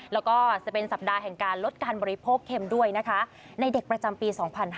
แล้วก็จะเป็นสัปดาห์แห่งการลดการบริโภคเข็มด้วยนะคะในเด็กประจำปี๒๕๕๙